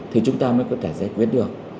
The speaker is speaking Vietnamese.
thì chúng ta mới có thể giải quyết được